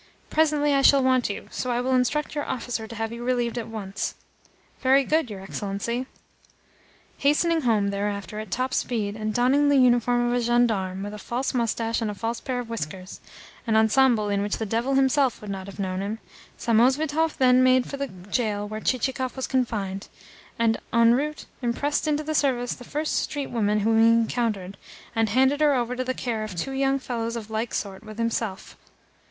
"Presently I shall want you, so I will instruct your officer to have you relieved at once." "Very good, your Excellency." Hastening home, thereafter, at top speed, and donning the uniform of a gendarme, with a false moustache and a pair of false whiskers an ensemble in which the devil himself would not have known him, Samosvitov then made for the gaol where Chichikov was confined, and, en route, impressed into the service the first street woman whom he encountered, and handed her over to the care of two young fellows of like sort with himself.